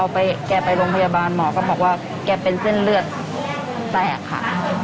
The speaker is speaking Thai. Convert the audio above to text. แกไปโรงพยาบาลหมอก็บอกว่าแกเป็นเส้นเลือดแตกค่ะ